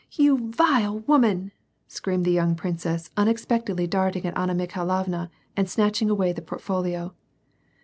"^" You vile woman," screamed the young princess, unexpect edly darting at Anna Mikhailovna, and snatching away the portfolio.